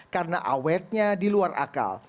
karena awetnya di luar akal